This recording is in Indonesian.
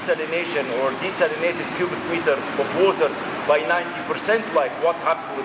karena ini adalah hal yang penting untuk industri dan pemerintah